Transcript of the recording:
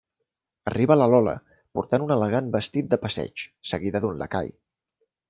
Arriba la Lola, portant un elegant vestit de passeig, seguida d'un lacai.